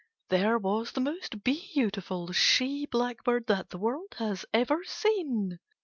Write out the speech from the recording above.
There was the most beautiful she blackbird that the world has ever seen.